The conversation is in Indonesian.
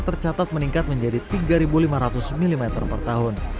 tercatat meningkat menjadi tiga lima ratus mm per tahun